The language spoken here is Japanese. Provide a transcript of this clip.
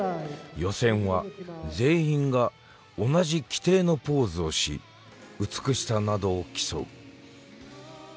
予選は全員が同じ規定のポーズをし美しさなどを競う。